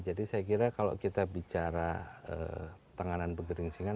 jadi saya kira kalau kita bicara tenganan pegering singan